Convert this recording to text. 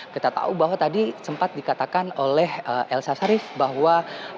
kita tahu bahwa tadi sempat dikatakan oleh elsa sharif bahwa